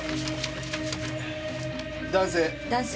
男性。